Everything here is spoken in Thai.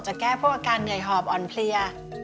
แก้พวกอาการเหนื่อยหอบอ่อนเพลีย